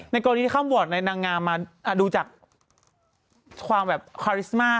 กรณีที่เข้าวอร์ดในนางงามมาดูจากความแบบคาริสมา